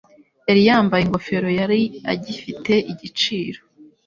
yari yambaye ingofero yari agifite igiciro.